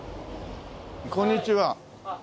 こんにちは。